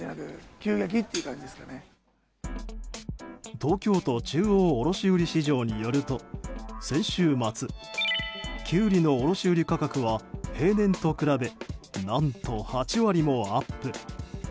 東京都中央卸売市場によると先週末、キュウリの卸売価格は平年と比べ何と８割もアップ。